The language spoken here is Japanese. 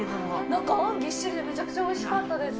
中、あんぎっしりでめちゃくちゃおいしかったです。